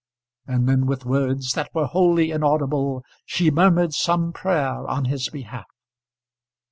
And then, with words that were wholly inaudible, she murmured some prayer on his behalf.